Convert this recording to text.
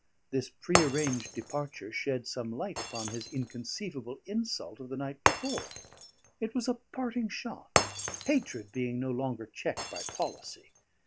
This pre arranged departure shed some light upon his inconceivable insult of the night before; it was a parting shot, hatred being no longer checked by policy.